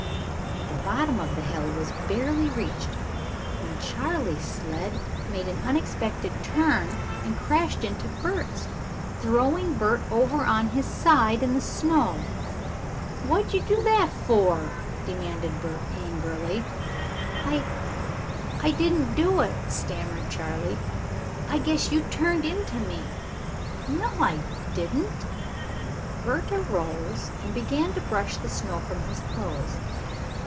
The bottom of the hill was barely reached when Charley's sled made an unexpected turn and crashed into Bert's, throwing Bert over on his side in the snow. "What did you do that for?" demanded Bert angrily. "I I didn't do it," stammered Charley. "I guess you turned into me." "No, I didn't." Bert arose and began to brush the snow from his clothes.